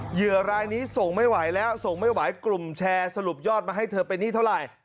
เหยื่อรายนี้ส่งไม่ไหวแล้วส่งไม่ไหวกลุ่มแชร์สรุปยอดมาให้เธอเป็นหนี้เท่าไหร่